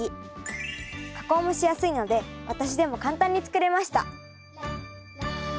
加工もしやすいので私でも簡単に作れました。